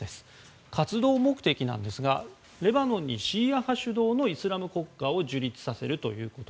活動目的ですがレバノンにシーア派主導のイスラム国家を樹立させるということ。